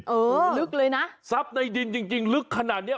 เออลึกเลยนะซับในดินจริงลึกขนาดเนี้ย